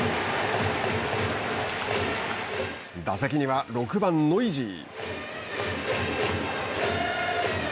打席には６番ノイジー。